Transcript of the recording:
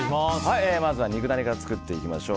まずは肉ダネから作っていきましょう。